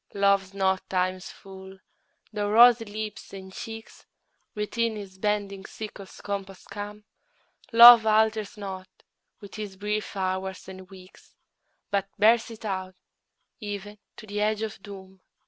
Love's not Time's fool, though rosy lips and cheeks Within his bending sickle's compass come: Love alters not with his brief hours and weeks, But bears it out even to the edge of doom.